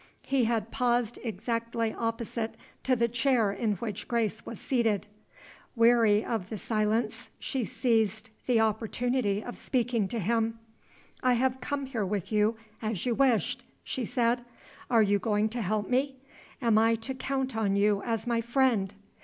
He had paused exactly opposite to the chair in which Grace was seated. Weary of the silence, she seized the opportunity of speaking to him. "I have come here with you as you wished," she said. "Are you going to help me? Am I to count on you as my friend?"